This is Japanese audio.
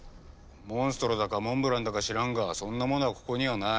モンストロだかモンブランだか知らんがそんなものはここにはない。